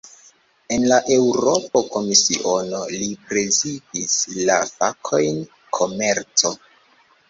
En la Eŭropa Komisiono, li prezidis la fakojn "komerco".